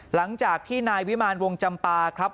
หลังจากที่นายวิมารวงจำปาครับ